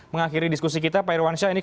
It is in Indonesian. mengakhiri diskusi kita pak irwansyah ini